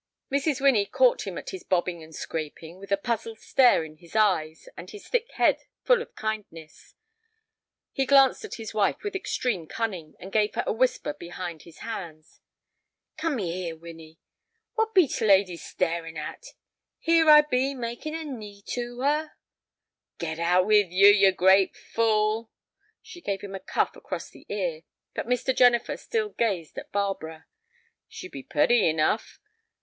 Mrs. Winnie caught him at this bobbing and scraping, with a puzzled stare in his eyes and his thick head full of kindness. He glanced at his wife with extreme cunning, and gave her a whisper behind his hands. "Come ye here, Winnie. What be t' lady a staring at? Here be I makin' a knee to her—" "Get out with you, you great fool!" She gave him a cuff across the ear. But Mr. Jennifer still gazed at Barbara. "She be purty enough.